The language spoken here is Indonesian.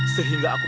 sehingga aku menjadi